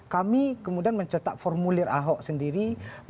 kami kemudian mencetak formulir ahok sendiri